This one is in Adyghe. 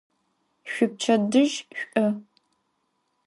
Şüipçedıj ş'u!